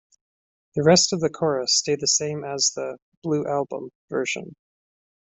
The rest of the chorus stayed the same as the "Blue Album" version.